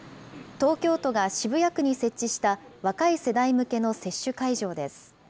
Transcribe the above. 東京都が渋谷区に設置した若い世代向けの接種会場です。